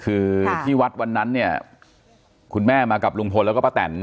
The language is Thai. คือที่วัดวันนั้นเนี่ยคุณแม่มากับลุงพลแล้วก็ป้าแตน